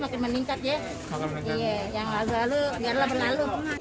mencapai meningkat ya iya yang lalu lalu biarlah berlalu